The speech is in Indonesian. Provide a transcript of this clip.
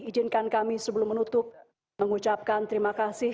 ijinkan kami sebelum menutup mengucapkan terima kasih